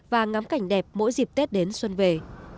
và ngắm cảnh đẹp mỗi dịp tết đến xuân về